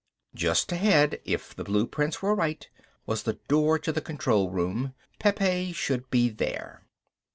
Just ahead, if the blueprints were right, was the door to the control room. Pepe should be there.